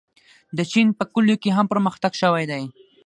د چین په کلیو کې هم پرمختګ شوی دی.